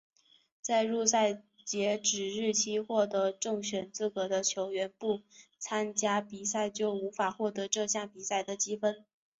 在入赛截止日期获得正选资格的球员不参加比赛就无法获得这项比赛的积分。